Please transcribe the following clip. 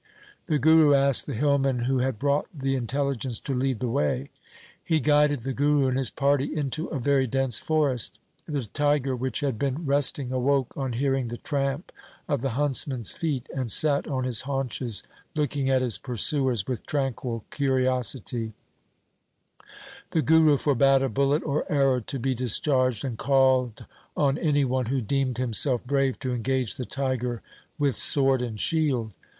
The Guru asked the hillman who had brought the intelligence to lead the way. He guided the Guru and his party into a very dense forest. The tiger, which had been resting, awoke on hearing the tramp of the hunts men's feet, and sat on his haunches looking at his pursuers with tranquil curiosity The Guru forbade a bullet or arrow to be dis charged, and called on any one who deemed himself brave to engage the tiger with sword and shield.